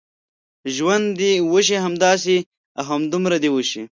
ژوند دې وشي، همداسې او همدومره دې وشي.